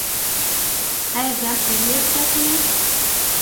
ایا ځان قوي احساسوئ؟